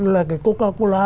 là cái coca cola